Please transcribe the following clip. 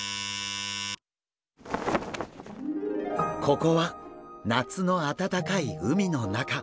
ここは夏のあたたかい海の中。